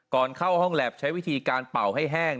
ก่อนเข้าห้องแล็บใช้วิธีการเป่าให้แห้ง